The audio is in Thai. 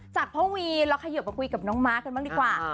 จากพ่อวีเราเขยิบมาคุยกับน้องม้ากันบ้างดีกว่า